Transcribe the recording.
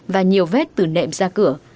và nhiều vết từ nệm ra cửa